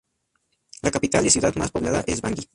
La capital y ciudad más poblada es Bangui.